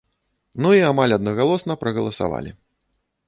Ну і амаль аднагалосна прагаласавалі.